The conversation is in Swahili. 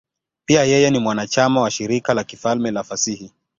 Pia yeye ni mwanachama wa Shirika la Kifalme la Fasihi.